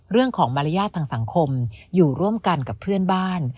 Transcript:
เรื่องของมารยาททางสังคมอยู่ร่วมกันกับเพื่อนบ้าน